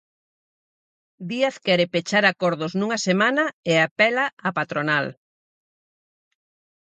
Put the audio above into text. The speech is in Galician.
Díaz quere pechar acordos nunha semana e apela á patronal.